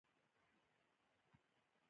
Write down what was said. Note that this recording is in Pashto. افغانستان له بادي انرژي ډک دی.